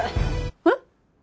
えっ？